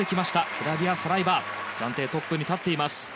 フラビア・サライバ暫定トップに立っています。